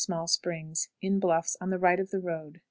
Small Springs. In bluffs on the right of the road.